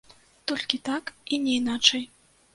Толькі так і не іначай!